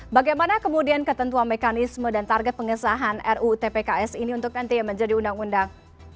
bagaimana kemudian ketentuan mekanisme dan target pengesahan rutpks ini untuk nanti menjadi undang undang